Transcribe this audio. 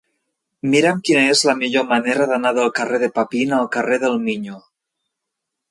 Mira'm quina és la millor manera d'anar del carrer de Papin al carrer del Miño.